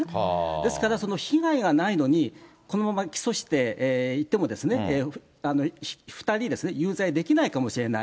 ですから、その被害がないのに、このまま起訴していっても、２人、有罪にできないかもしれない。